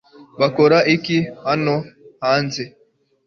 bakora iki hano hanze